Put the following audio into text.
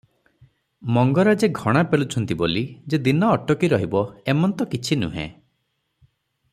ମଙ୍ଗରାଜେ ଘଣା ପେଲୁଛନ୍ତି ବୋଲି ଯେ ଦିନ ଅଟକି ରହିବ, ଏମନ୍ତ କିଛି ନୁହେଁ ।